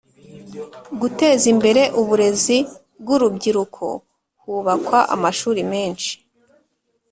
Guteza imbere uburezi bw’urubyiruko hubakwa amashuri menshi